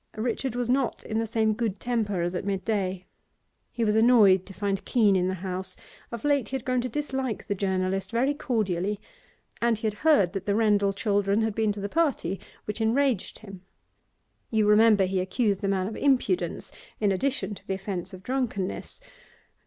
Richard was not in the same good temper as at mid day. He was annoyed to find Keene in the house of late he had grown to dislike the journalist very cordially and he had heard that the Rendal children had been to the party, which enraged him. You remember he accused the man of impudence in addition to the offence of drunkenness.